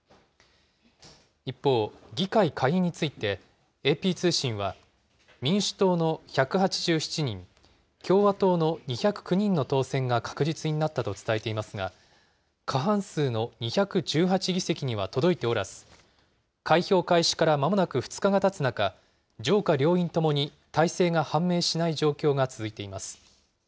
一方、議会下院について、ＡＰ通信は、民主党の１８７人、共和党の２０９人の当選が確実になったと伝えていますが、過半数の２１８議席には届いておらず、開票開始からまもなく２日がたつ中、上下両院ともに大勢が判明しない状況が続いています。